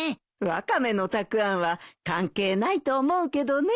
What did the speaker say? ワカメのたくあんは関係ないと思うけどね。